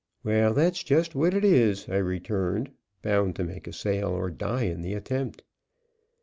"Well, that's just what it is," I returned, bound to make a sale, or die in the attempt.